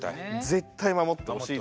絶対守ってほしい。